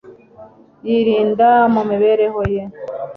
yirinda mu mibereho ye